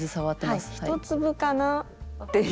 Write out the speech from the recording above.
１粒かなっていう。